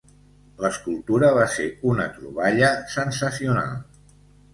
L'escultura va ser una troballa sensacional.